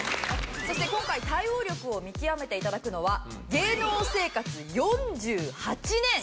そして今回対応力を見極めて頂くのは芸能生活４８年！